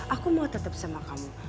aku mau tetap sama kamu